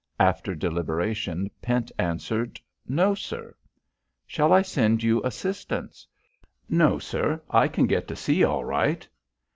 After deliberation, Pent answered: "No, sir." "Shall I send you assistance?" "No, sir. I can get to sea all right."